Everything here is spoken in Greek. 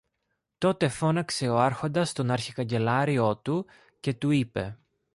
Τότε φώναξε ο Άρχοντας τον αρχικαγκελάριό του και του είπε